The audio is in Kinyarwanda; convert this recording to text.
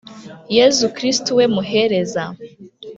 yezu kristu we muhereza